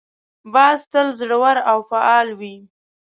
باز تل زړور او فعال وي